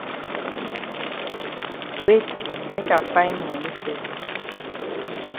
Wait make I find moni fes.